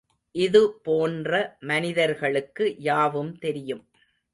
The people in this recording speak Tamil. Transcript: இது போன்ற மனிதர்களுக்கு யாவும் தெரியும்.